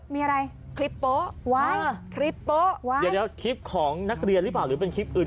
มีอะไรคลิปโป้คลิปของนักเรียรี่ป่ะหรือเป็นคลิปอื่น